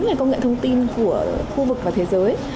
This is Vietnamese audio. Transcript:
về công nghệ thông tin của khu vực và thế giới